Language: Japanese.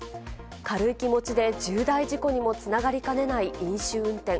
軽い気持ちで重大事故にもつながりかねない飲酒運転。